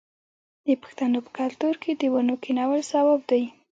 د پښتنو په کلتور کې د ونو کینول ثواب دی.